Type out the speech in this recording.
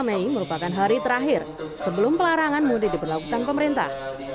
dua puluh mei merupakan hari terakhir sebelum pelarangan mudik diperlakukan pemerintah